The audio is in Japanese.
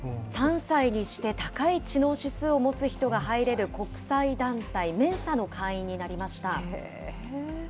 ３歳にして高い知能指数を持つ人が入れる国際団体、メンサの会員になりました。